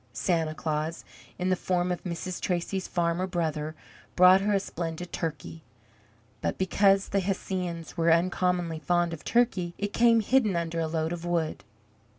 Santa Claus, in the form of Mrs. Tracy's farmer brother, brought her a splendid turkey; but because the Hessians were uncommonly fond of turkey, it came hidden under a load of wood.